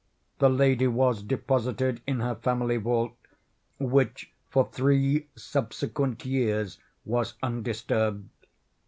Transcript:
The lady was deposited in her family vault, which, for three subsequent years, was undisturbed.